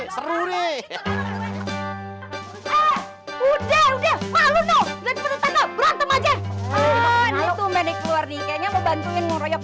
sorry ya gua balon sama dia